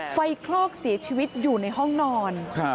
ไฟเคราะห์เสียชีวิตอยู่ในห้องนอน